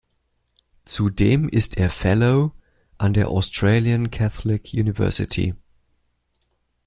Zudem ist er Fellow an der Australian Catholic University.